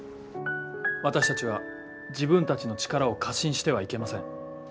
私たちは自分たちの力を過信してはいけません。